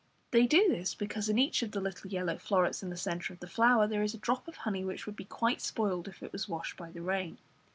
They do this because in each of the little yellow florets in the centre of the flower there is a drop of honey which would be quite spoiled if it were washed by the rain.